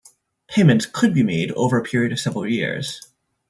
Payments could be made over a period of several years.